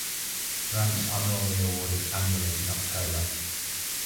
Grants are normally awarded annually in October.